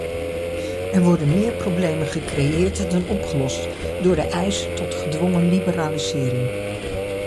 Er worden meer problemen gecreëerd dan opgelost door de eis tot gedwongen liberalisering.